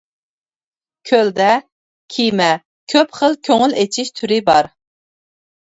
كۆلدە كېمە، كۆپ خىل كۆڭۈل ئېچىش تۈرى بار.